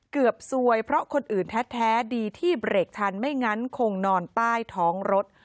ซวยเพราะคนอื่นแท้ดีที่เบรกชันไม่งั้นคงนอนใต้ท้องรถ